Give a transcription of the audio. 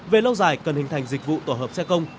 về lâu dài cần hình thành dịch vụ tổ hợp xe công